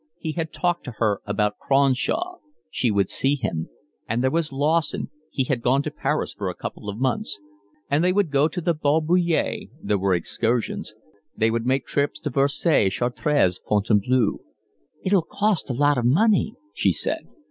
He had talked to her about Cronshaw, she would see him; and there was Lawson, he had gone to Paris for a couple of months; and they would go to the Bal Bullier; there were excursions; they would make trips to Versailles, Chartres, Fontainebleau. "It'll cost a lot of money," she said.